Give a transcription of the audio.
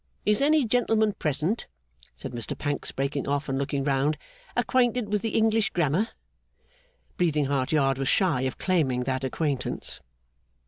Is any gentleman present,' said Mr Pancks, breaking off and looking round, 'acquainted with the English Grammar?' Bleeding Heart Yard was shy of claiming that acquaintance.